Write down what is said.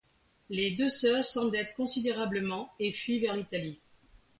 Les deux sœurs s'endettent considérablement et fuient vers l'Italie.